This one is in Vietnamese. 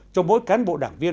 cho mỗi cán bộ đảng viên